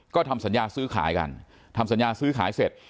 ก็ทำสัญญาซื้อขายกันทำสัญญาซื้อขายเสร็จ